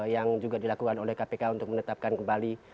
yang juga dilakukan oleh kpk untuk menetapkan kembali